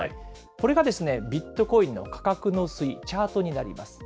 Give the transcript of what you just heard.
これがビットコインの価格の推移、チャートになります。